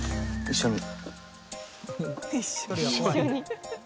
一緒に。